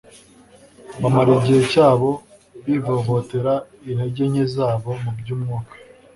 bamara igihe cyabo bivovotera intege nke zabo mu by'umwuka,